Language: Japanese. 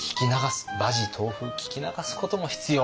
馬耳東風聞き流すことも必要。